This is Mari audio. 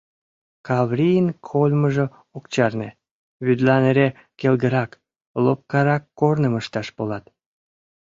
Каврийын кольмыжо ок чарне, вӱдлан эре келгырак, лопкарак корным ышташ полат...